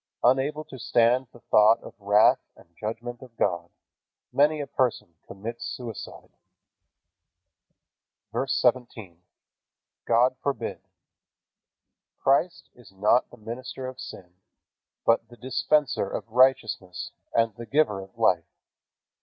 Unable to stand the thought of the wrath and judgment of God, many a person commits suicide. VERSE 17. God forbid. Christ is not the minister of sin, but the Dispenser of righteousness and the Giver of life.